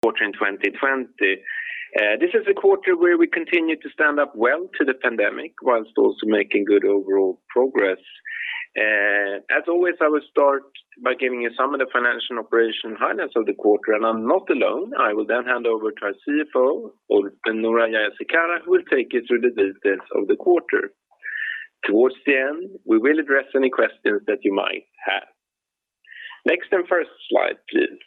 ... Quarter in 2020. This is a quarter where we continue to stand up well to the pandemic whilst also making good overall progress. As always, I will start by giving you some of the financial and operation highlights of the quarter, and I'm not alone. I will then hand over to our CFO, Noora Jayasekara, who will take you through the details of the quarter. Towards the end, we will address any questions that you might have. Next and first slide, please.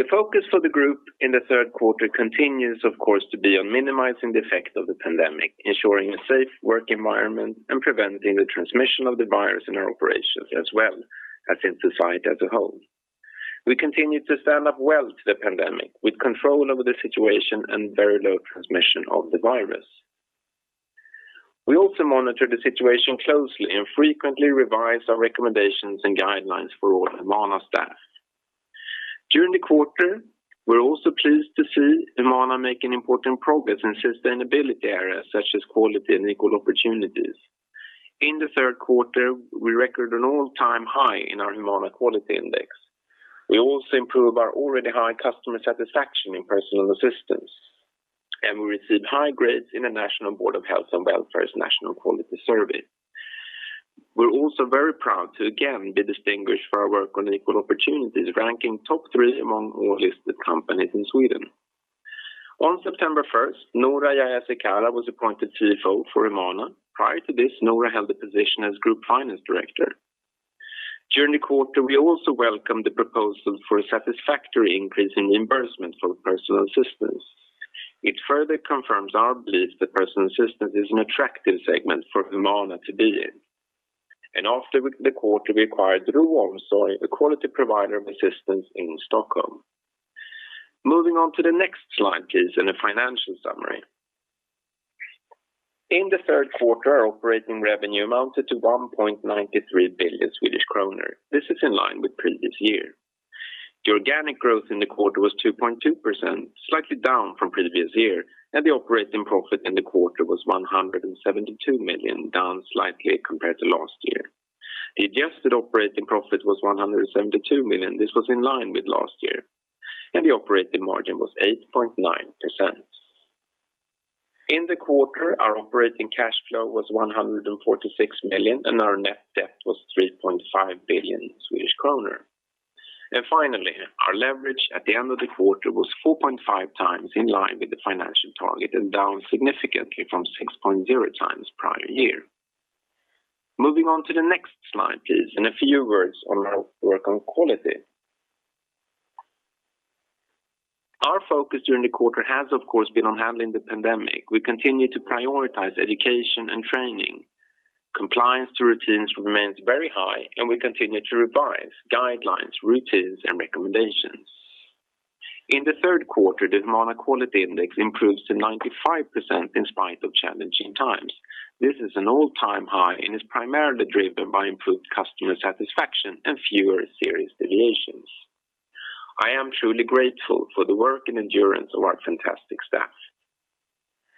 The focus for the group in the third quarter continues, of course, to be on minimizing the effect of the pandemic, ensuring a safe work environment, and preventing the transmission of the virus in our operations as well as in society as a whole. We continue to stand up well to the pandemic with control over the situation and very low transmission of the virus. We also monitor the situation closely and frequently revise our recommendations and guidelines for all Humana staff. During the quarter, we are also pleased to see Humana making important progress in sustainability areas such as quality and equal opportunities. In the third quarter, we record an all-time high in our Humana Quality Index. We also improve our already high customer satisfaction in Personal Assistance, and we receive high grades in the National Board of Health and Welfare's national quality survey. We are also very proud to again be distinguished for our work on equal opportunities, ranking top three among all listed companies in Sweden. On September 1st, Noora Jayasekara was appointed CFO for Humana. Prior to this, Noora held the position as Group Finance Director. During the quarter, we also welcome the proposal for a satisfactory increase in reimbursement for Personal Assistance. It further confirms our belief that Personal Assistance is an attractive segment for Humana to be in. After the quarter, we acquired RO Omsorg, a quality provider of assistance in Stockholm. Moving on to the next slide, please, and a financial summary. In the third quarter, our operating revenue amounted to 1.93 billion Swedish kronor. This is in line with previous year. The organic growth in the quarter was 2.2%, slightly down from previous year, and the operating profit in the quarter was 172 million, down slightly compared to last year. The adjusted operating profit was 172 million. This was in line with last year, and the operating margin was 8.9%. In the quarter, our operating cash flow was 146 million, and our net debt was 3.5 billion Swedish kronor. Finally, our leverage at the end of the quarter was 4.5x in line with the financial target and down significantly from 6.0x prior year. Moving on to the next slide, please, a few words on our work on quality. Our focus during the quarter has, of course, been on handling the pandemic. We continue to prioritize education and training. Compliance to routines remains very high, we continue to revise guidelines, routines, and recommendations. In the third quarter, the Humana Quality Index improves to 95% in spite of challenging times. This is an all-time high, and is primarily driven by improved customer satisfaction and fewer serious deviations. I am truly grateful for the work and endurance of our fantastic staff.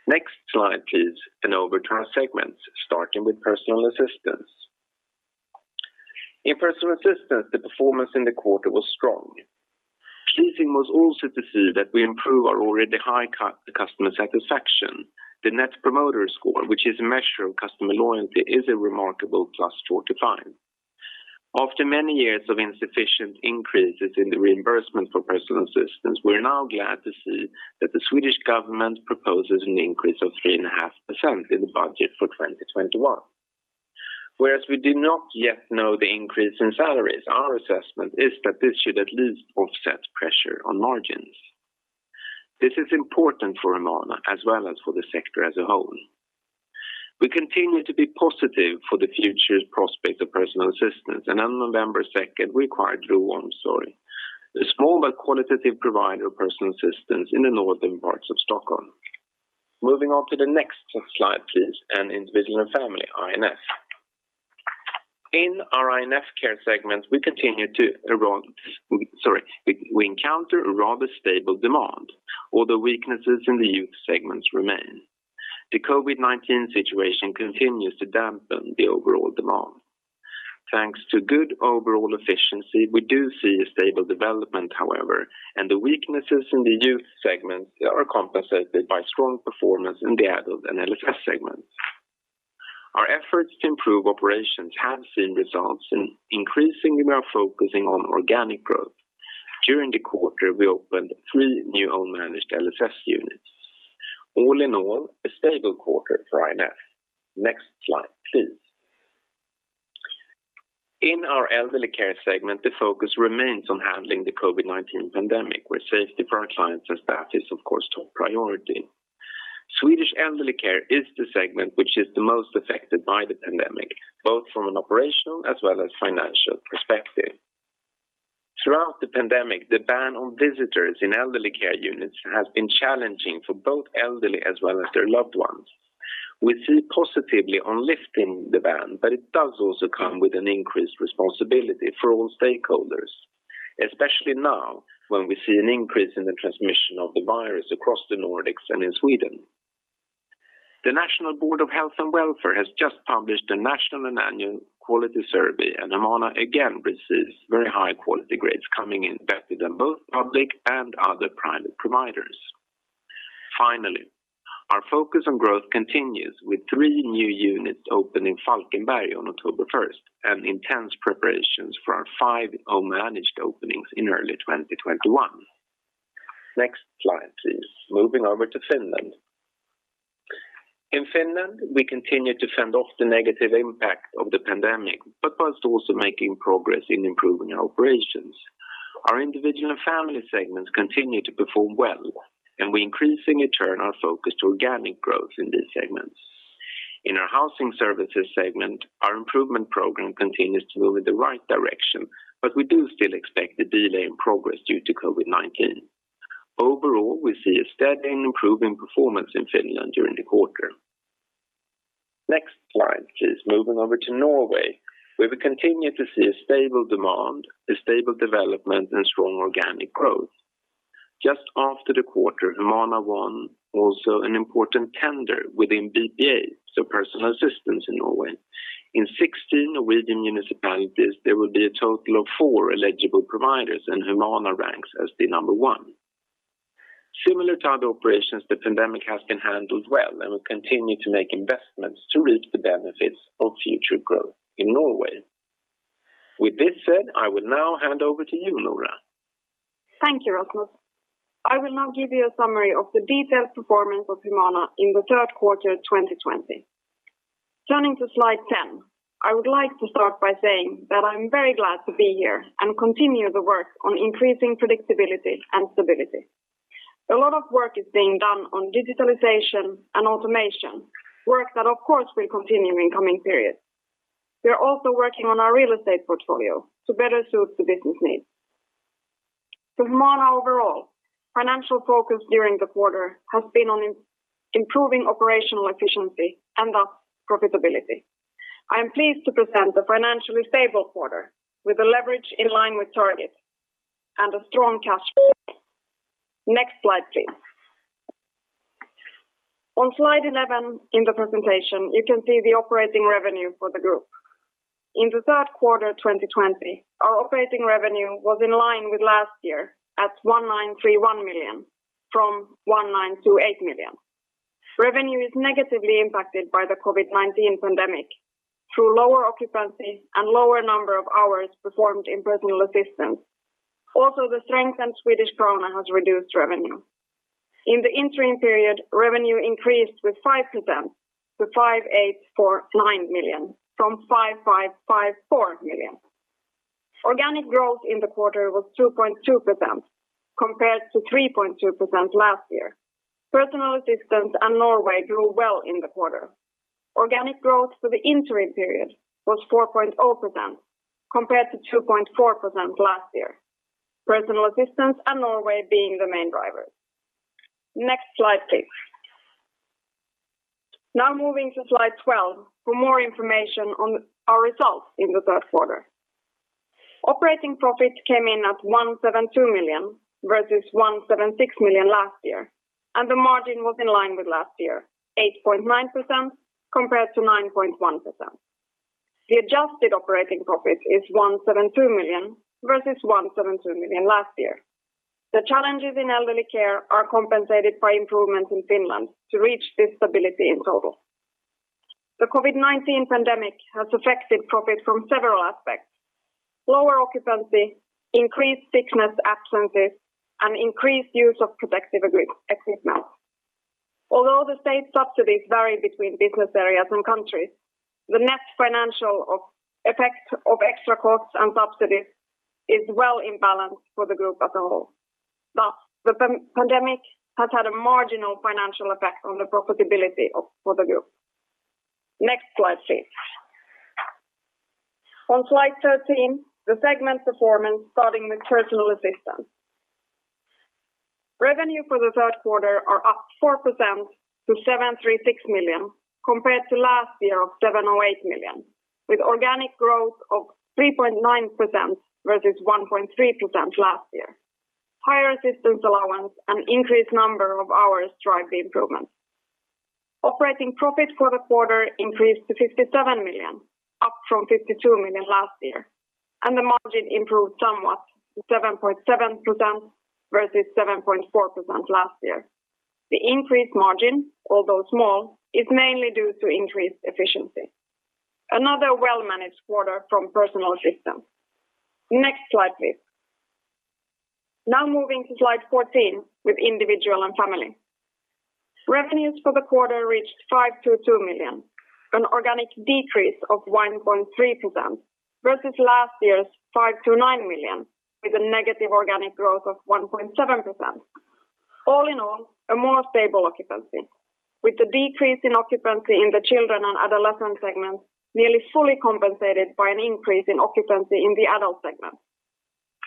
Next slide, please. Over to our segments, starting with Personal Assistance. In Personal Assistance, the performance in the quarter was strong. Pleasing was also to see that we improve our already high customer satisfaction. The Net Promoter Score, which is a measure of customer loyalty, is a remarkable +45. After many years of insufficient increases in the reimbursement for Personal Assistance, we're now glad to see that the Swedish government proposes an increase of 3.5% in the budget for 2021. Whereas we do not yet know the increase in salaries, our assessment is that this should at least offset pressure on margins. This is important for Humana as well as for the sector as a whole. We continue to be positive for the future prospect of Personal Assistance, and on November 2nd, we acquired RO Omsorg, a small but qualitative provider of Personal Assistance in the northern parts of Stockholm. Moving on to the next slide, please, and Individual & Family, I&F. In our I&F care segment, we encounter a rather stable demand, although weaknesses in the youth segment remain. The COVID-19 situation continues to dampen the overall demand. Thanks to good overall efficiency, we do see a stable development, however, and the weaknesses in the youth segment are compensated by strong performance in the adult and LSS segments. Our efforts to improve operations have seen results, and increasingly we are focusing on organic growth. During the quarter, we opened three new home-managed LSS units. All in all, a stable quarter for I&F. Next slide, please. In our Elderly Care segment, the focus remains on handling the COVID-19 pandemic, where safety for our clients and staff is, of course, top priority. Swedish Elderly Care is the segment which is the most affected by the pandemic, both from an operational as well as financial perspective. Throughout the pandemic, the ban on visitors in Elderly Care units has been challenging for both elderly as well as their loved ones. We see positively on lifting the ban, but it does also come with an increased responsibility for all stakeholders, especially now when we see an increase in the transmission of the virus across the Nordics and in Sweden. The National Board of Health and Welfare has just published a national quality survey, Humana again receives very high quality grades, coming in better than both public and other private providers. Finally, our focus on growth continues with three new units opening in Falkenberg on October 1st, and intense preparations for our five own-managed openings in early 2021. Next slide, please. Moving over to Finland. In Finland, we continue to fend off the negative impact of the pandemic, whilst also making progress in improving our operations. Our Individual & Family segments continue to perform well. We increasingly turn our focus to organic growth in these segments. In our housing services segment, our improvement program continues to move in the right direction. We do still expect a delay in progress due to COVID-19. Overall, we see a steady and improving performance in Finland during the quarter. Next slide, please. Moving over to Norway, where we continue to see a stable demand, a stable development, and strong organic growth. Just after the quarter, Humana won also an important tender within BPA, so Personal Assistance in Norway. In 16 Norwegian municipalities, there will be a total of four eligible providers. Humana ranks as the number one. Similar to other operations, the pandemic has been handled well. We continue to make investments to reap the benefits of future growth in Norway. With this said, I will now hand over to you, Noora. Thank you, Rasmus. I will now give you a summary of the detailed performance of Humana in the third quarter, 2020. Turning to slide 10, I would like to start by saying that I'm very glad to be here and continue the work on increasing predictability and stability. A lot of work is being done on digitalization and automation, work that, of course, will continue in coming periods. We're also working on our real estate portfolio to better suit the business needs. Humana overall, financial focus during the quarter has been on improving operational efficiency and, thus, profitability. I am pleased to present a financially stable quarter with the leverage in line with targets and a strong cash flow. Next slide, please. On slide 11 in the presentation, you can see the operating revenue for the group. In the third quarter 2020, our operating revenue was in line with last year at 1,931 million from 1,928 million. Revenue is negatively impacted by the COVID-19 pandemic through lower occupancy and lower number of hours performed in Personal Assistance. The strength in Swedish krona has reduced revenue. In the interim period, revenue increased with 5% to 5,849 million from 5,554 million. Organic growth in the quarter was 2.2% compared to 3.2% last year. Personal Assistance and Norway grew well in the quarter. Organic growth for the interim period was 4.0% compared to 2.4% last year, Personal Assistance and Norway being the main drivers. Next slide, please. Moving to slide 12 for more information on our results in the third quarter. Operating profits came in at 172 million versus 176 million last year, and the margin was in line with last year, 8.9% compared to 9.1%. The adjusted operating profit is 172 million versus 172 million last year. The challenges in Elderly Care are compensated by improvements in Finland to reach this stability in total. The COVID-19 pandemic has affected profit from several aspects. Lower occupancy, increased sickness absences, and increased use of protective equipment. Although the state subsidies vary between business areas and countries, the net financial effect of extra costs and subsidies is well in balance for the group as a whole. Thus, the pandemic has had a marginal financial effect on the profitability for the group. Next slide, please. On slide 13, the segment performance starting with Personal Assistance. Revenue for the third quarter are up 4% to 736 million, compared to last year of 708 million, with organic growth of 3.9% versus 1.3% last year. Higher assistance allowance and increased number of hours drive the improvement. Operating profit for the quarter increased to 57 million, up from 52 million last year, and the margin improved somewhat to 7.7% versus 7.4% last year. The increased margin, although small, is mainly due to increased efficiency. Another well-managed quarter from Personal Assistance. Next slide, please. Moving to slide 14 with Individual & Family. Revenues for the quarter reached 522 million, an organic decrease of 1.3% versus last year's 529 million with organic growth of -1.7%. All in all, a more stable occupancy, with the decrease in occupancy in the children and adolescent segments nearly fully compensated by an increase in occupancy in the adult segment.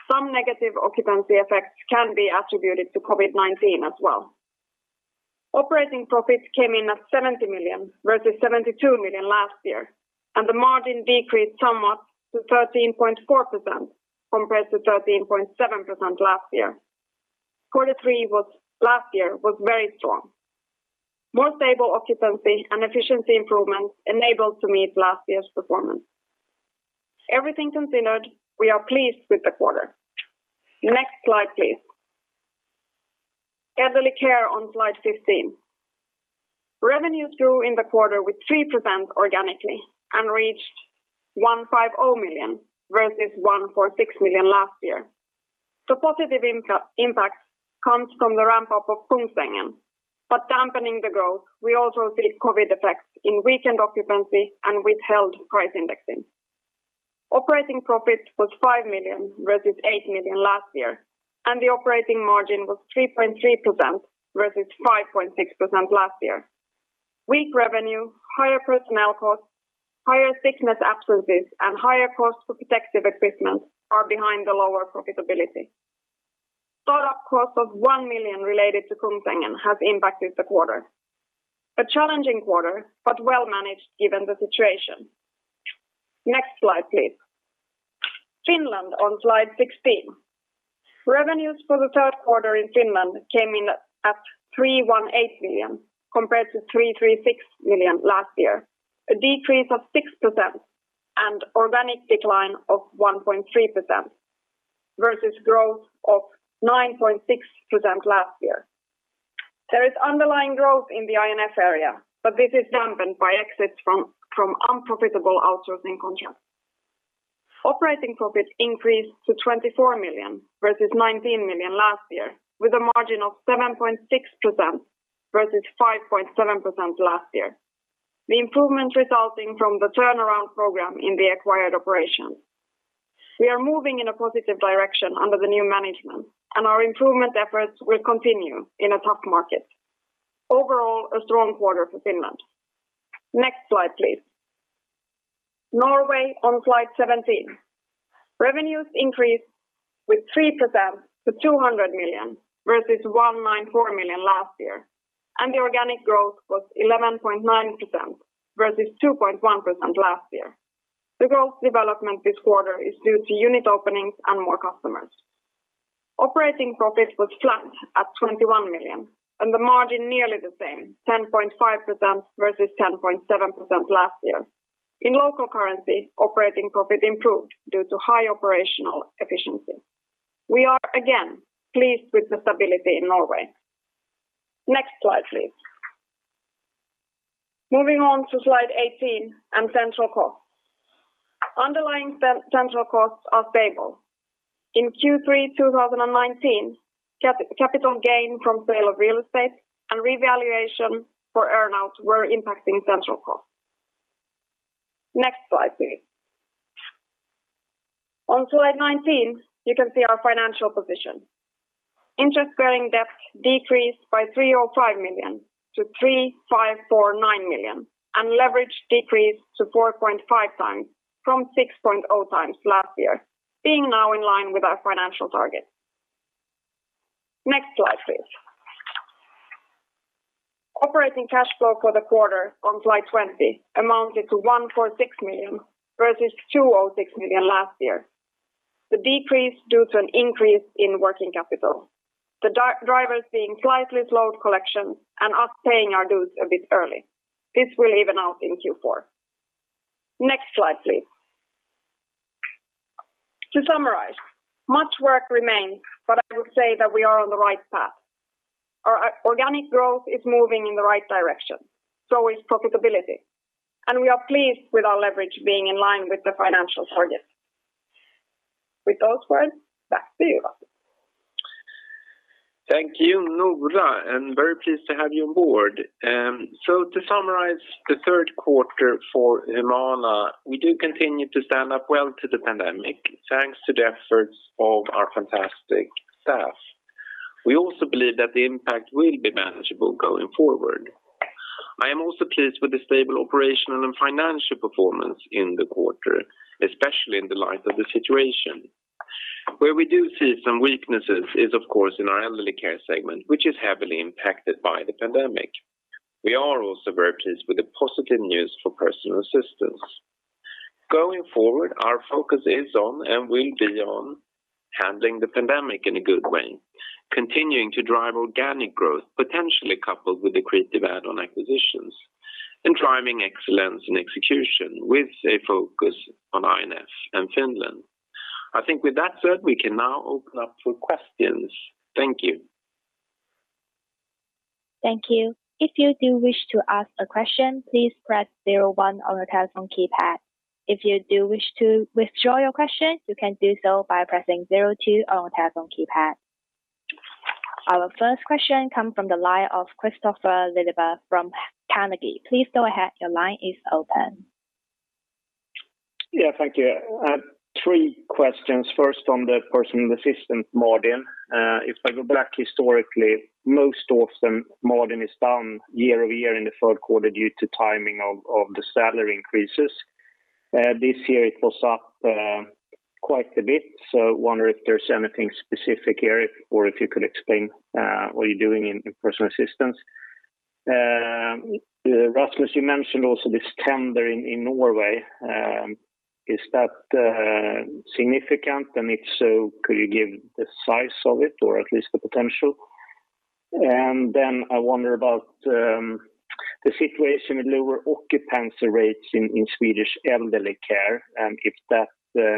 Some negative occupancy effects can be attributed to COVID-19 as well. Operating profits came in at 70 million, versus 72 million last year, and the margin decreased somewhat to 13.4% compared to 13.7% last year. Quarter three last year was very strong. More stable occupancy and efficiency improvements enabled to meet last year's performance. Everything considered, we are pleased with the quarter. Next slide, please. Elderly Care on slide 15. Revenues grew in the quarter with 3% organically and reached 150 million, versus 146 million last year. The positive impact comes from the ramp-up of Kungsängen. Dampening the growth, we also see COVID effects in weakened occupancy and withheld price indexing. Operating profit was 5 million, versus 8 million last year, and the operating margin was 3.3%, versus 5.6% last year. Weak revenue, higher personnel costs, higher sickness absences, and higher costs for protective equipment are behind the lower profitability. Start-up costs of 1 million related to Kungsängen have impacted the quarter. A challenging quarter, but well managed given the situation. Next slide, please. Finland on slide 16. Revenues for the third quarter in Finland came in at 318 million, compared to 336 million last year, a decrease of 6% and organic decline of 1.3%, versus growth of 9.6% last year. There is underlying growth in the I&F area. This is dampened by exits from unprofitable outsourcing contracts. Operating profit increased to 24 million, versus 19 million last year, with a margin of 7.6%, versus 5.7% last year. The improvements resulting from the turnaround program in the acquired operations. We are moving in a positive direction under the new management. Our improvement efforts will continue in a tough market. Overall, a strong quarter for Finland. Next slide, please. Norway on slide 17. Revenues increased with 3% to 200 million, versus 194 million last year. The organic growth was 11.9%, versus 2.1% last year. The growth development this quarter is due to unit openings and more customers. Operating profit was flat at 21 million, and the margin nearly the same, 10.5% versus 10.7% last year. In local currency, operating profit improved due to high operational efficiency. We are again pleased with the stability in Norway. Next slide, please. Moving on to slide 18 and central costs. Underlying central costs are stable. In Q3 2019, capital gain from sale of real estate and revaluation for earn-outs were impacting central costs. Next slide, please. On slide 19, you can see our financial position. Interest-bearing debt decreased by 305 million to 3,549 million, and leverage decreased to 4.5x from 6.0x last year, being now in line with our financial target. Next slide, please. Operating cash flow for the quarter, on slide 20, amounted to 146 million, versus 206 million last year. The decrease due to an increase in working capital, the drivers being slightly slowed collection and us paying our dues a bit early. This will even out in Q4. Next slide, please. To summarize, much work remains, but I will say that we are on the right path. Our organic growth is moving in the right direction. So is profitability. We are pleased with our leverage being in line with the financial target. With those words, back to you, Rasmus. Thank you, Noora, and very pleased to have you on board. To summarize the third quarter for Humana, we do continue to stand up well to the pandemic, thanks to the efforts of our fantastic staff. We also believe that the impact will be manageable going forward. I am also pleased with the stable operational and financial performance in the quarter, especially in the light of the situation. Where we do see some weaknesses is of course in our Elderly Care segment, which is heavily impacted by the pandemic. We are also very pleased with the positive news for Personal Assistance. Going forward, our focus is on, and will be on, handling the pandemic in a good way, continuing to drive organic growth, potentially coupled with accretive add-on acquisitions, and driving excellence and execution with a focus on I&F and Finland. I think with that said, we can now open up for questions. Thank you. Thank you. If you do wish to ask a question, please press zero one on your telephone keypad. If you do wish to withdraw your question, you can do so by pressing zero two on your telephone keypad. Our first question come from the line of Kristofer Liljeberg from Carnegie. Please go ahead. Your line is open. Thank you. Three questions. First, on the Personal Assistance margin. If I go back historically, most often margin is down year-over-year in the third quarter due to timing of the salary increases. This year it was up quite a bit. Wonder if there's anything specific here, or if you could explain what you're doing in Personal Assistance. Rasmus, you mentioned also this tender in Norway. Is that significant? If so, could you give the size of it, or at least the potential? I wonder about the situation with lower occupancy rates in Swedish Elderly Care, and if that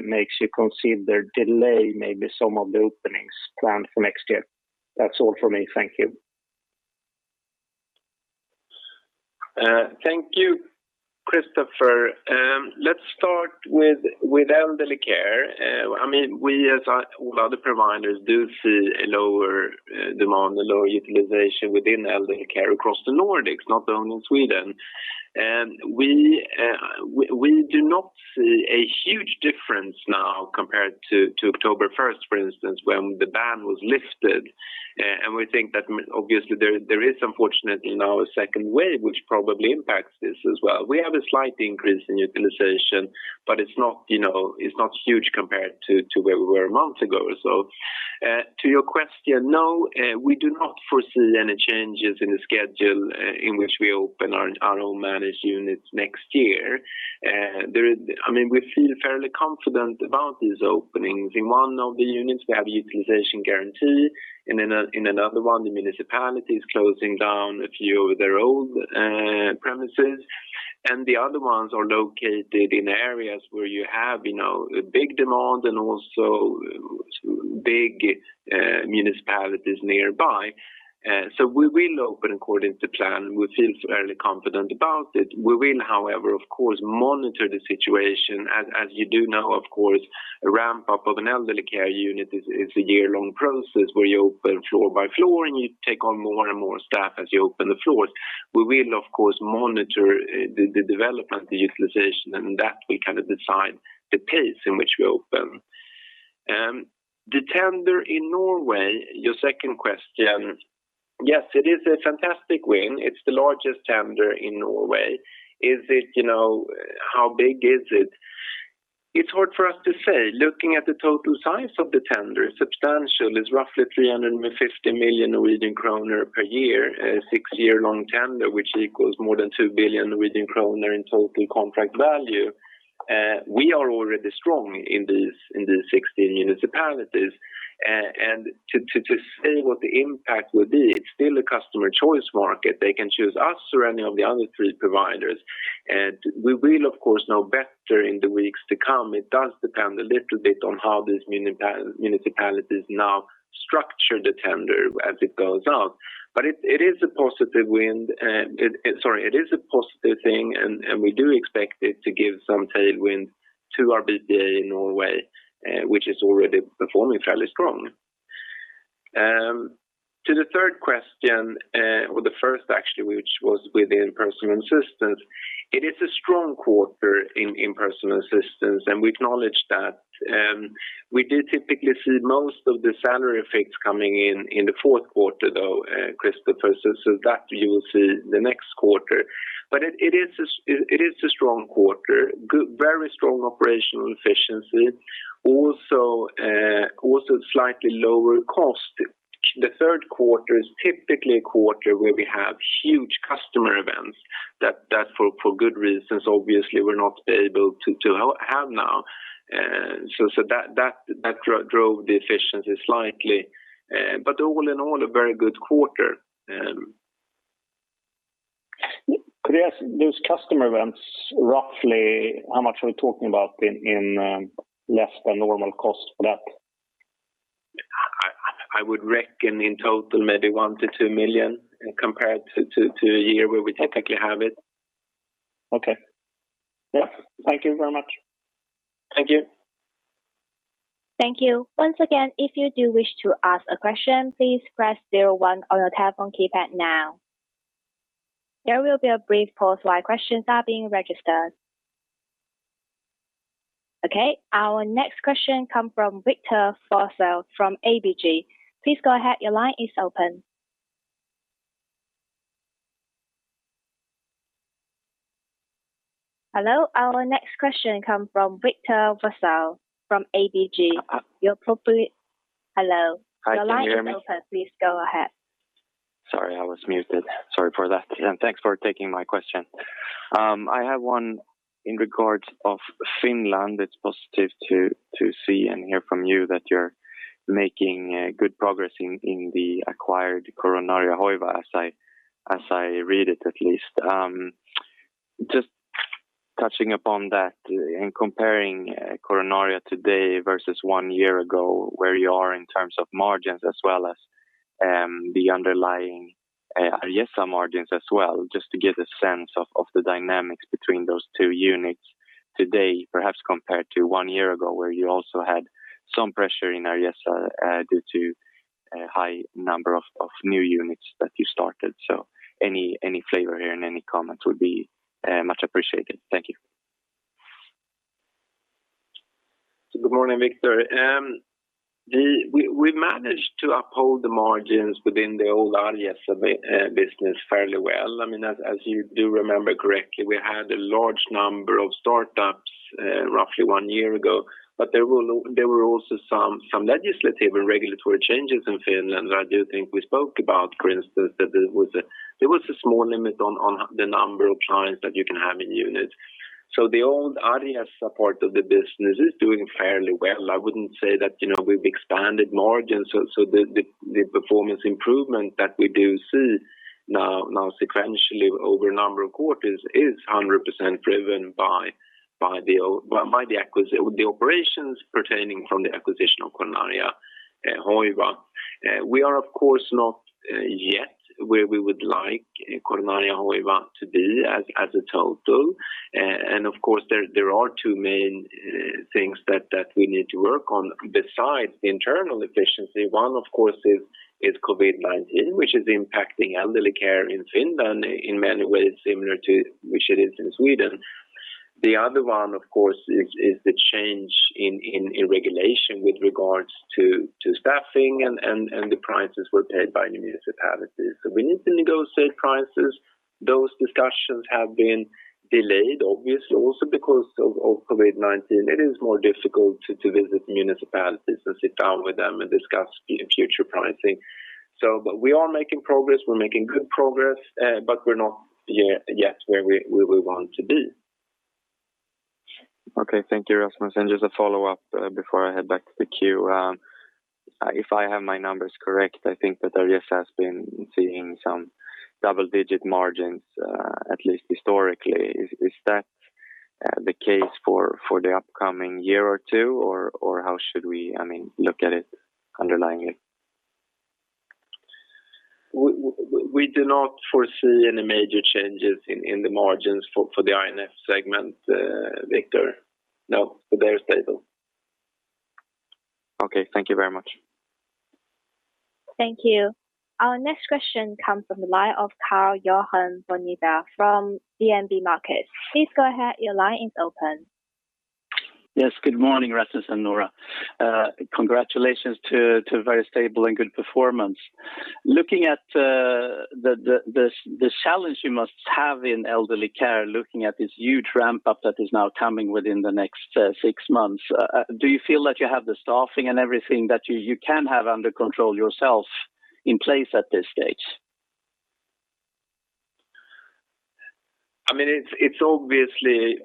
makes you consider delay maybe some of the openings planned for next year. That's all for me. Thank you. Thank you, Kristofer. Let's start with Elderly Care. We, as all other providers, do see a lower demand, a lower utilization within Elderly Care across the Nordics, not only in Sweden. We do not see a huge difference now compared to October 1st, for instance, when the ban was lifted. We think that obviously there is unfortunately now a second wave, which probably impacts this as well. We have a slight increase in utilization, but it's not huge compared to where we were a month ago. To your question, no, we do not foresee any changes in the schedule in which we open our own-managed units next year. We feel fairly confident about these openings. In one of the units, we have a utilization guarantee. In another one, the municipality is closing down a few of their old premises, and the other ones are located in areas where you have a big demand and also big municipalities nearby. We will open according to plan. We feel fairly confident about it. We will, however, of course, monitor the situation. As you do know, of course, ramp up of an Elderly Care unit is a year-long process where you open floor by floor, and you take on more and more staff as you open the floors. We will, of course, monitor the development, the utilization, and that will decide the pace in which we open. The tender in Norway, your second question. Yes, it is a fantastic win. It's the largest tender in Norway. How big is it? It's hard for us to say. Looking at the total size of the tender, substantial. It's roughly 350 million Norwegian kroner per year. A six-year-long tender, which equals more than 2 billion Norwegian kroner in total contract value. We are already strong in these 16 municipalities. To say what the impact will be, it's still a customer choice market. They can choose us or any of the other three providers. We will, of course, know better in the weeks to come. It does depend a little bit on how these municipalities now structure the tender as it goes out. It is a positive thing, and we do expect it to give some tailwind to our BPA in Norway, which is already performing fairly strongly. To the third question, or the first actually, which was within Personal Assistance. It is a strong quarter in Personal Assistance, and we acknowledge that. We do typically see most of the salary effects coming in in the fourth quarter, though, Kristofer. That you will see the next quarter. It is a strong quarter. Very strong operational efficiency, also slightly lower cost. The third quarter is typically a quarter where we have huge customer events that for good reasons, obviously, we're not able to have now. That drove the efficiency slightly. All in all, a very good quarter. Could I ask, those customer events, roughly how much are we talking about in less than normal cost for that? I would reckon in total maybe 1 million-2 million compared to a year where we typically have it. Okay. Thank you very much. Thank you. Thank you. Once again, if you do wish to ask a question, please press zero one on your telephone keypad now. There will be a brief pause while questions are being registered. Okay. Our next question comes from Victor Forssell from ABG. Please go ahead. Your line is open. Hello, our next question comes from Victor Forssell from ABG. Hi. Hello. Your line is open. Can you hear me? Please go ahead. Sorry, I was muted. Sorry for that. Thanks for taking my question. I have one in regards of Finland. It's positive to see and hear from you that you're making good progress in the acquired Coronaria Hoiva, as I read it at least. Just touching upon that and comparing Coronaria today versus one year ago, where you are in terms of margins as well as the underlying Arjessa margins. Just to get a sense of the dynamics between those two units today, perhaps compared to one year ago, where you also had some pressure in Arjessa due to a high number of new units that you started. Any flavor here and any comments would be much appreciated. Thank you. Good morning, Victor. We managed to uphold the margins within the Arjessa business fairly well. As you do remember correctly, we had a large number of startups roughly one year ago. There were also some legislative and regulatory changes in Finland that I do think we spoke about. For instance, there was a small limit on the number of clients that you can have in units. So the Arjessa support of the business is doing fairly well. I wouldn't say that we've expanded margins. The performance improvement that we do see now sequentially over a number of quarters is 100% driven by the operations pertaining from the acquisition of Coronaria Hoiva. We are of course not yet where we would like Coronaria Hoiva to be as a total. Of course, there are two main things that we need to work on besides internal efficiency. One of course is COVID-19, which is impacting Elderly Care in Finland in many ways similar to which it is in Sweden. The other one, of course, is the change in regulation with regards to staffing and the prices were paid by the municipalities. We need to negotiate prices. Those discussions have been delayed, obviously, also because of COVID-19. It is more difficult to visit municipalities and sit down with them and discuss future pricing. We are making progress. We're making good progress, but we're not yet where we want to be. Okay. Thank you, Rasmus. Just a follow-up before I head back to the queue. If I have my numbers correct, I think that Arjessa has been seeing some double-digit margins, at least historically. Is that the case for the upcoming year or two? Or how should we look at it, underlying it? We do not foresee any major changes in the margins for the I&F segment, Victor. No, they are stable. Okay. Thank you very much. Thank you. Our next question comes from the line of Karl-Johan Bonnevier from DNB Markets. Please go ahead. Your line is open. Good morning, Rasmus and Noora. Congratulations to a very stable and good performance. Looking at the challenge you must have in Elderly Care, looking at this huge ramp-up that is now coming within the next six months, do you feel that you have the staffing and everything that you can have under control yourself in place at this stage? It's obviously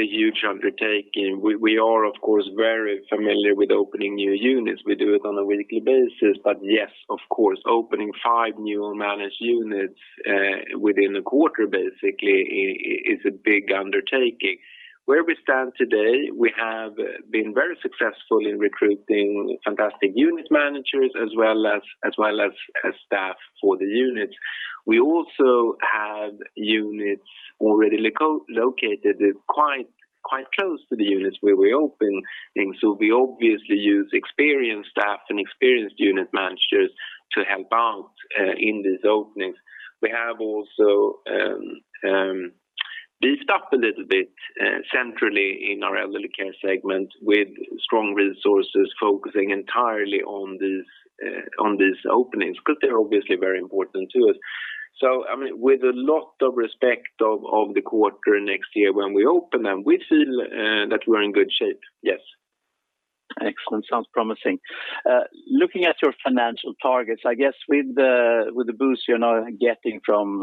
a huge undertaking. We are of course very familiar with opening new units. We do it on a weekly basis. Yes, of course, opening five new own-managed units within a quarter basically is a big undertaking. Where we stand today, we have been very successful in recruiting fantastic unit managers as well as staff for the units. We also have units already located quite close to the units where we are opening. We obviously use experienced staff and experienced unit managers to help out in these openings. We have also beefed up a little bit centrally in our Elderly Care segment with strong resources focusing entirely on these openings, because they're obviously very important to us. With a lot of respect of the quarter next year when we open them, we feel that we're in good shape. Excellent. Sounds promising. Looking at your financial targets, I guess with the boost you're now getting from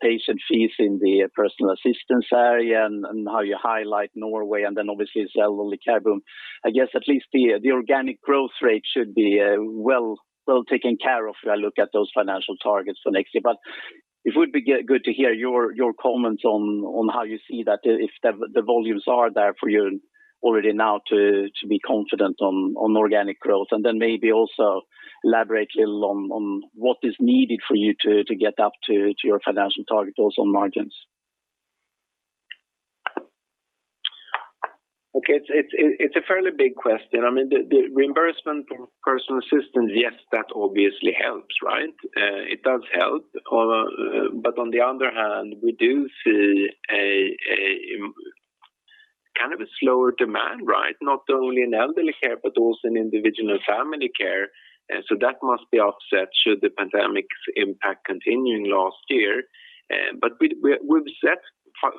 patient fees in the Personal Assistance area and how you highlight Norway and then obviously this Elderly Care boom, I guess at least the organic growth rate should be well taken care of if I look at those financial targets for next year. It would be good to hear your comments on how you see that, if the volumes are there for you already now to be confident on organic growth. Then maybe also elaborate a little on what is needed for you to get up to your financial target also on margins. Okay. It's a fairly big question. The reimbursement from Personal Assistance, yes, that obviously helps. It does help. On the other hand, we do see a slower demand, not only in Elderly Care, but also in Individual & Family. That must be offset should the pandemic impact continue from last year. We've set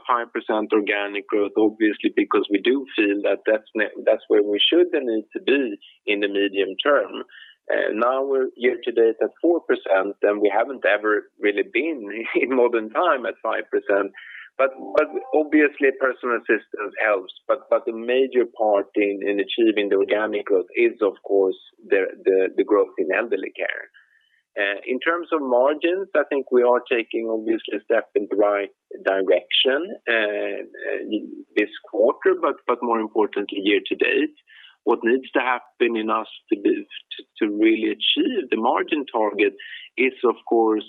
5% organic growth, obviously because we do feel that that's where we should and need to be in the medium term. Now, we're year to date at 4%, and we haven't ever really been in more than time at 5%. Obviously Personal Assistance helps. The major part in achieving the organic growth is of course the growth in Elderly Care. In terms of margins, I think we are taking obviously a step in the right direction this quarter, but more importantly year to date. What needs to happen in us to really achieve the margin target is of course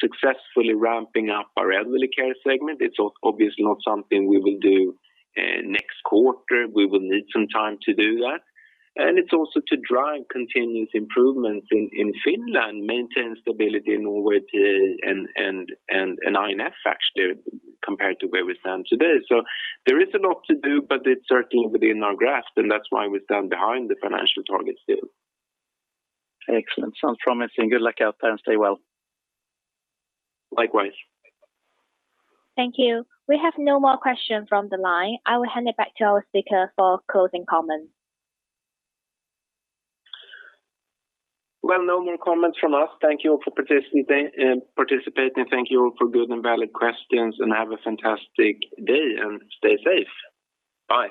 successfully ramping up our Elderly Care segment. It's obviously not something we will do next quarter. We will need some time to do that. It's also to drive continuous improvements in Finland, maintain stability in Norway and I&F actually compared to where we stand today. There is a lot to do, but it's certainly within our grasp, and that's why we stand behind the financial targets still. Excellent. Sounds promising. Good luck out there and stay well. Likewise. Thank you. We have no more questions from the line. I will hand it back to our speaker for closing comments. No more comments from us. Thank you all for participating. Thank you all for good and valid questions. Have a fantastic day. Stay safe. Bye.